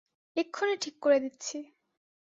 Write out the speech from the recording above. এক্ষুণি ঠিক করে দিচ্ছি।